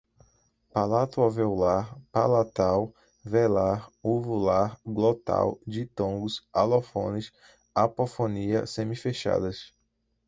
Palato-alveolar, palatal, velar, uvular, glotal, ditongos, alofones, apofonia, semifechadas